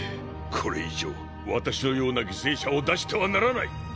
これ以上私のような犠牲者を出してはならない！